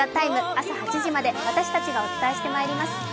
朝８時まで私たちがお伝えしてまいります。